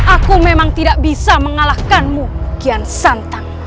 aku memang tidak bisa mengalahkanmu kian santang